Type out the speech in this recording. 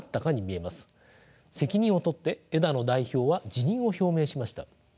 責任を取って枝野代表は辞任を表明しました。